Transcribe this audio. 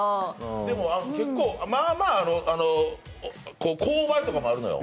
でも、まあまあ勾配とかもあるのよ。